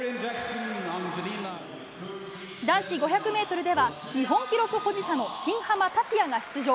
男子５００ｍでは日本記録保持者の新濱立也が出場。